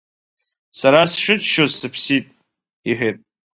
Сара сшыччоз сыԥсит, — иҳәеит.